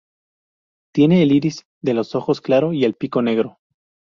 Tiene el iris de los ojos claro y el pico negro.